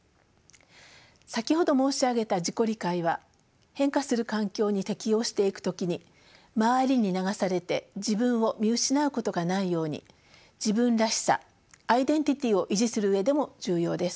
先ほど申し上げた自己理解は変化する環境に適応していく時に周りに流されて自分を見失うことがないように自分らしさアイデンティティーを維持する上でも重要です。